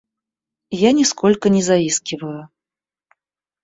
Я нисколько не заискиваю.